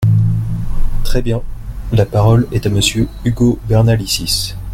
Très bien ! La parole est à Monsieur Ugo Bernalicis.